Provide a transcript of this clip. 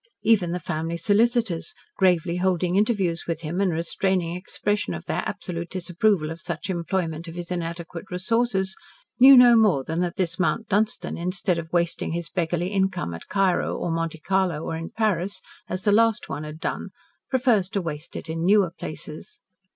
Even the family solicitors, gravely holding interviews with him and restraining expression of their absolute disapproval of such employment of his inadequate resources, knew no more than that this Mount Dunstan, instead of wasting his beggarly income at Cairo, or Monte Carlo, or in Paris as the last one had done, prefers to waste it in newer places.